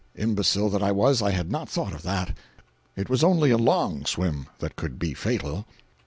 Imbecile that I was, I had not thought of that. It was only a long swim that could be fatal.